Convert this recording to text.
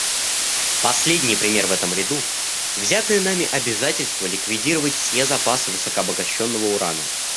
Последний пример в этом ряду — взятое нами обязательство ликвидировать все запасы высокообогащенного урана.